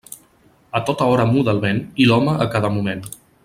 A tota hora muda el vent, i l'home a cada moment.